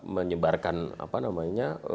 menyebarkan apa namanya